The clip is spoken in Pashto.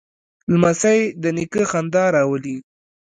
لمسی د نیکه خندا راولي.